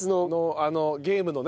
あのゲームのね。